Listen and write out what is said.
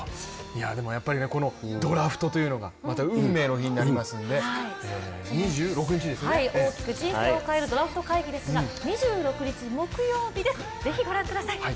このドラフトというのがまた運命の日になりますので大きく人生を変えるドラフト会議ですが２６日木曜日です、是非ご覧ください。